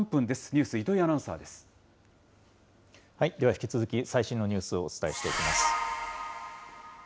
ニュース、では、引き続き最新のニュースをお伝えしていきます。